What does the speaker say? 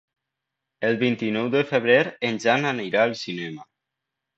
El vint-i-nou de febrer en Jan anirà al cinema.